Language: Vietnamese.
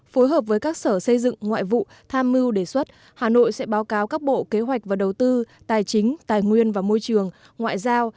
phối hợp với các sở xây dựng ngoại vụ tham mưu đề xuất hà nội sẽ báo cáo các bộ kế hoạch và đầu tư tài chính tài nguyên và môi trường ngoại giao